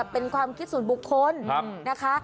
เป็นความคิดส่วนบุคคลนะคะ